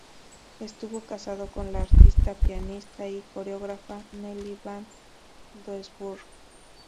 Estuvo casado con la artista, pianista y coreógrafa Nelly van Doesburg.